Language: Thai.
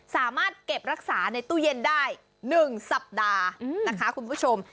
สามารถเก็บรักษาในตู้เย็นได้๑สัปดาห์นะคะคุณผู้ชม